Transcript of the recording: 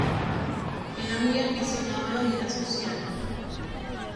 Era muy aficionado a la vida social.